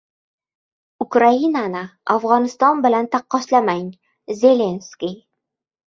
Ukrainani Afg‘oniston bilan taqqoslamang — Zelenskiy